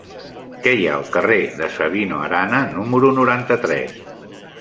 Què hi ha al carrer de Sabino Arana número noranta-tres?